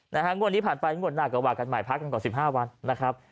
งวดนี้ผ่านไปงวดหน้ากระวังกันใหม่พักต่อ๑๕วันนะครับ